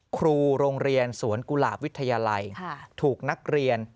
ครูโรงเรียนสวนกุหลาบวิทยาลัยถูกนักเรียน